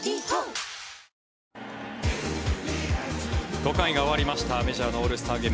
５回が終わりましたメジャーのオールスターゲーム。